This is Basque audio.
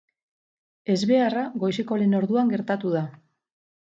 Ezbeharra goizeko lehen orduan gertatu da.